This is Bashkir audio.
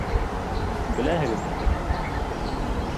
Беләһегеҙме шуны?